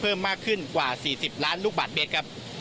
เพิ่มมากขึ้นกว่า๔๐ล้านลูกบาทเมตรครับ